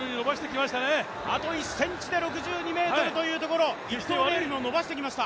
あと１ｃｍで６２ｍというところ、伸ばしてきました。